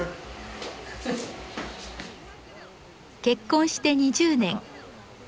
結婚して２０年。